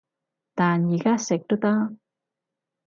但而家食都得